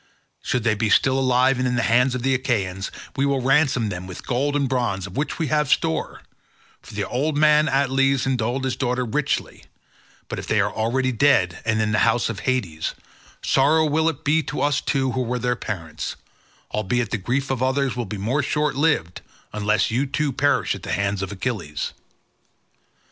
Should they be still alive and in the hands of the Achaeans, we will ransom them with gold and bronze, of which we have store, for the old man Altes endowed his daughter richly; but if they are already dead and in the house of Hades, sorrow will it be to us two who were their parents; albeit the grief of others will be more short lived unless you too perish at the hands of Achilles.